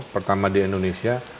pertama di indonesia